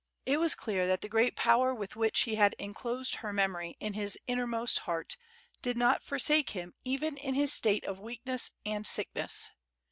It was clear that the great power with which he had enclosed her memory in his innermost heart, did not forsake him even in his state of weakness and sick ness.